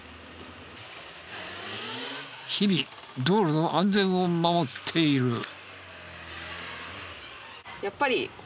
日々道路の安全を守っている。